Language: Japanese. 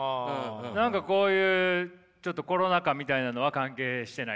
何かこういうちょっとコロナ禍みたいなのは関係してないですか？